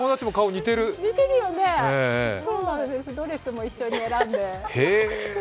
似てるよね、そうなんです、ドレスも一緒に選んで。